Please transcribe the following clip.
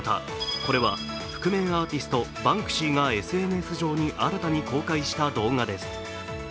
これは覆面アーティスト・バンクシーがＳＮＳ上に新たに公開した動画です。